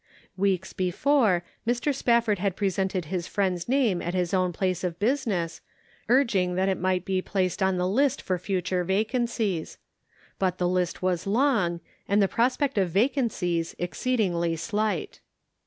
Weeks before, Mr. Spafford had presented his friend's name at his own place of business, urging that it might be placed on the list for future vacancies ; but the list was long, and the prospect of vacancies exceedingly slight.